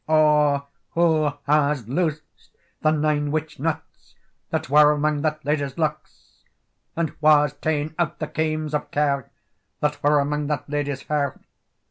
"Oh, wha has loosed the nine witch knots That were amang that ladye's locks? And wha's ta'en out the kames of care, That were amang that ladye's hair?